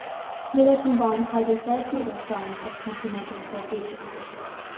Miller combined hydrotherapy with diet as complementary therapeutics.